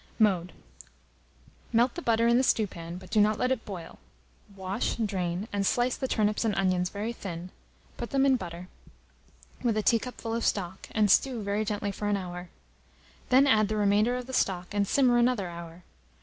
Mode. Melt the butter in the stewpan, but do not let it boil; wash, drain, and slice the turnips and onions very thin; put them in the butter, with a teacupful of stock, and stew very gently for an hour. Then add the remainder of the stock, and simmer another hour.